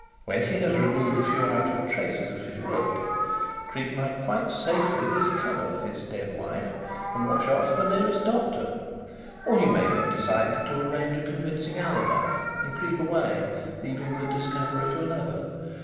When he has removed a few outward traces of his work Creake might quite safely 'discover' his dead wife and rush off for the nearest doctor. Or he may have decided to arrange a convincing alibi, and creep away, leaving the discovery to another.